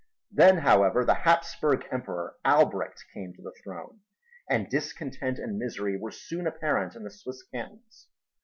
Then, however, the Hapsburg Emperor, Albrecht, came to the throne; and discontent and misery were soon apparent in the Swiss cantons.